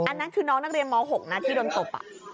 อันนั้นคือน้องนักเรียนม๖นะที่โดนตบ